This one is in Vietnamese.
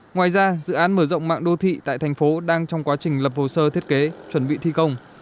ngoài ra dự án mở rộng mạng đô thị tại thành phố đang trong quá trình lập hồ sơ thiết kế chuẩn bị thi công